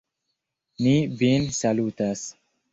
Ni vin salutas!